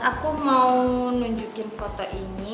aku mau nunjukin foto ini